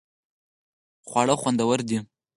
خواړه خوندور دې